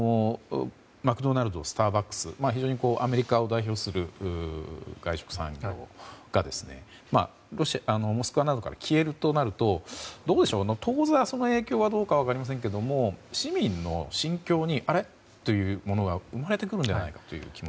マクドナルド、スターバックスと非常にアメリカを代表する外食産業がモスクワなどから消えるとなると当座、その影響はどうなのか分かりませんが市民の心境にあれ？というものが生まれてくるのではないかと。